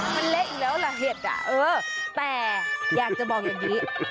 มันเละอีกแล้วล่ะเห็ดอ่ะเออแต่อยากจะบอกอย่างนี้